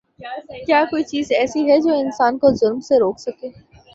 کیا کوئی چیز ایسی ہے جو انسان کو ظلم سے روک سکے؟